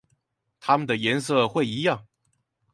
它們的顏色會一樣